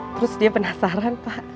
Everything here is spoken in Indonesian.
terus dia penasaran pak